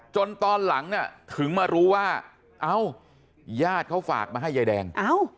จนตอนหลังถึงมารู้ว่ายาดเขาฝากมาให้ยายแดง